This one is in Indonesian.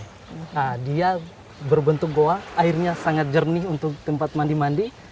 nah dia berbentuk goa airnya sangat jernih untuk tempat mandi mandi